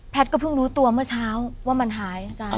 ก็เพิ่งรู้ตัวเมื่อเช้าว่ามันหายอาจารย์